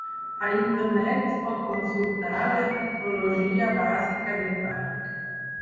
A internet es pot consultar la hidrologia bàsica del parc.